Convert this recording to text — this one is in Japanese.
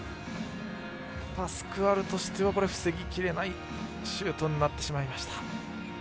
パスクアルとしては防ぎきれないシュートになってしまいました。